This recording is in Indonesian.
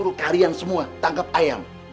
untuk kalian semua tangkap ayam